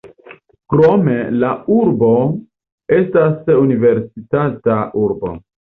Krome la urbo estas universitata urbo.